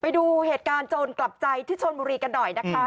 ไปดูเหตุการณ์โจรกลับใจที่ชนบุรีกันหน่อยนะคะ